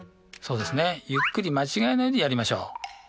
ゆっくり間違えないようにやりましょう。